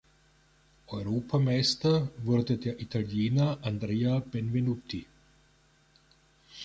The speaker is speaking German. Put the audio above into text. Europameister wurde der Italiener Andrea Benvenuti.